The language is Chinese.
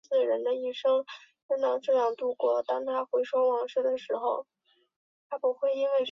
滇葎草为桑科葎草属下的一个种。